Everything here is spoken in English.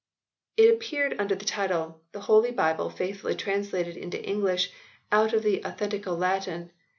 It appeared under the title :" The Holie Bible Faithfully Trans lated into English Out Of The Authentical Latin.